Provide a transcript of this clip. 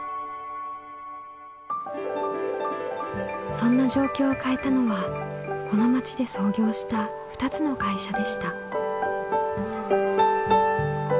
そんな状況を変えたのはこの町で創業した２つの会社でした。